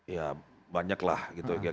ya banyak lah gitu